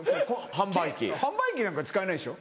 販売機なんか使えないでしょ？